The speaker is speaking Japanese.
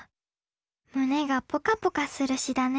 胸がポカポカする詩だね。